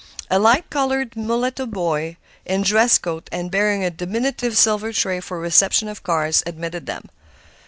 A light colored mulatto boy, in dress coat and bearing a diminutive silver tray for the reception of cards, admitted them.